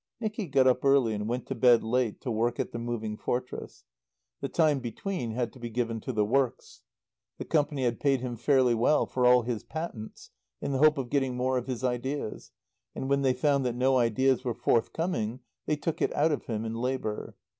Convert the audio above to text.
Nicky got up early and went to bed late to work at the Moving Fortress. The time between had to be given to the Works. The Company had paid him fairly well for all his patents in the hope of getting more of his ideas, and when they found that no ideas were forthcoming they took it out of him in labour.